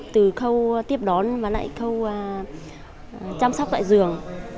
từ khâu tiếp đón và lại khâu chăm sóc tại giường